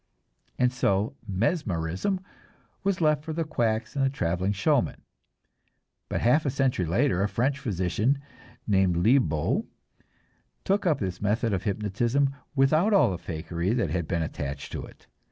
And so "mesmerism" was left for the quacks and traveling showmen. But half a century later a French physician named Liébault took up this method of hypnotism, without all the fakery that had been attached to it.